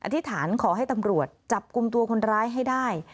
อธิษฐานขอให้ตำรวจจับกลุ่มตัวคนร้ายให้ได้